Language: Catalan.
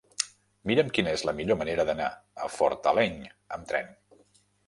Mira'm quina és la millor manera d'anar a Fortaleny amb tren.